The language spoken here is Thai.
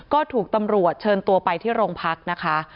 ก็ถูกตำรวจเชิญตัวไปที่โรงพักนะคะ